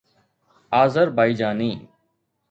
Azerbaijani